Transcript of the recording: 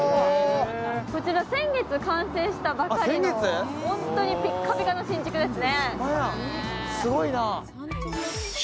こちら先月完成したばかりのホントにピッカピカの新築ですね。